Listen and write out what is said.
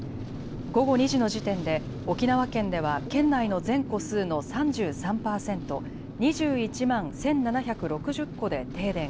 午後２時の時点で沖縄県では県内の全戸数の３３％、２１万１７６０戸で停電。